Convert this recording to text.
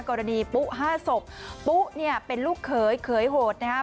กรณีปุ๊ก๕ศพปุ๊กเป็นลูกเขยเขยโหดนะฮะ